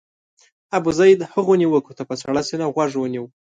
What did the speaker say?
ابوزید هغو نیوکو ته په سړه سینه غوږ ونیو.